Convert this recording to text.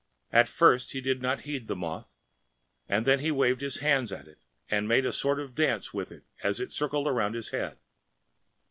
At first he did not heed the moth, and then he waved his hands at it and made a sort of dance with it as it circled round his head.